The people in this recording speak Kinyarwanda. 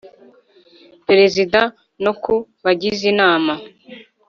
Perezida na ku bagize inama